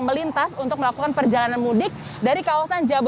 melintas untuk melakukan perjalanan mudik dari kawasan jauh jauh